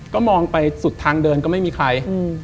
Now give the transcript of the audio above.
ก็มองไปสุดทางเดินก็ไม่มีใคร